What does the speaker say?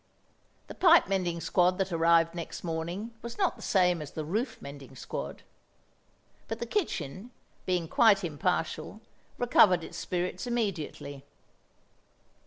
The pipe mending squad that arrived next morning was not the same as the roof mending squad; but the kitchen, being quite impartial, recovered its spirits immediately.